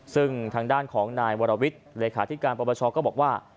ซึ่งทางด้านของนายวรวิทย์เลขาธิการประประชาก็บอกว่า